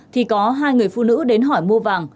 thì có hai người phụ nữ đến hỏi mua vàng